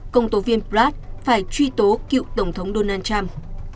công tố viên prad phải truy tố cựu tổng thống donald trump